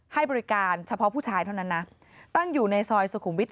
ให้บริการเฉพาะผู้ชายเท่านั้นนะตั้งอยู่ในซอยสุขุมวิทย